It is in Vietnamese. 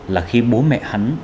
là khi bố mẹ hắn